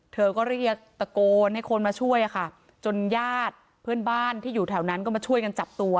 เธอก็เรียกตะโกนให้คนมาช่วยอะค่ะจนญาติเพื่อนบ้านที่อยู่แถวนั้นก็มาช่วยกันจับตัว